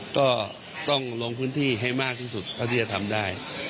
ก็ต้องลงพื้นที่ให้มากที่สุดเท่าที่จะทำได้